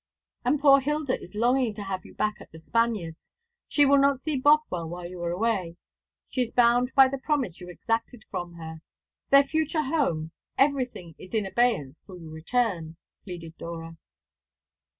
"And poor Hilda is longing to have you back at The Spaniards. She will not see Bothwell while you are away. She is bound by the promise you exacted from her. Their future home everything is in abeyance till you return," pleaded Dora.